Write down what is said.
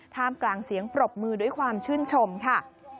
ท่ามกลางเสียงปรบมือด้วยความชื่นชมค่ะ